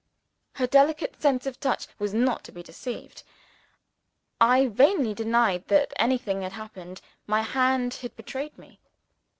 Her delicate sense of touch was not to be deceived. I vainly denied that anything had happened: my hand had betrayed me.